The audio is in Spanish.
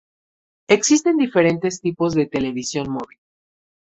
Existen diferentes tipos de televisión móvil.